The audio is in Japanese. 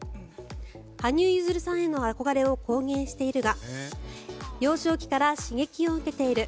羽生結弦さんへの憧れを公言しているが幼少期から刺激を受けている。